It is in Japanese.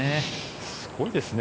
すごいですね。